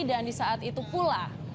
di saat itu pula